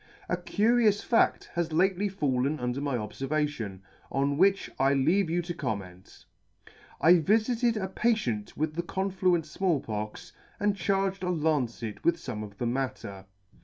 " A curious fadl has lately fallen under my obfervation, on which I leave you to comment. " I vifited a patient with the confluent Small Pox, and charged a lancet with fome of the matter.